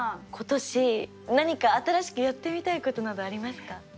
今年何か新しくやってみたいことなどありますか？